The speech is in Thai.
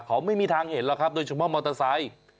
เขาไม่มีทางเห็นหรอกครับโดยเฉพาะมอเตอร์ไซค์